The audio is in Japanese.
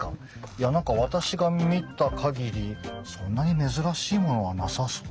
いや何か私が見た限りそんなに珍しいものはなさそうですけど。